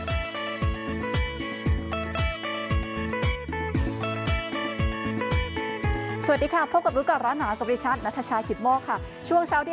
ก็สวัสดีค่ะพบกับรุ๊กก่อนร้านหนากระบวนดิชันนัทชาศ์กิตโม่ค่ะช่วงเช้าที่